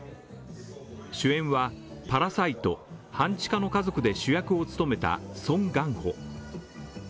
主演は「パラサイト半地下の家族」で主役を務めたソン・ガンホ。